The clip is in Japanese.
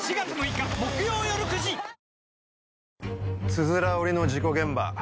つづら折りの事故現場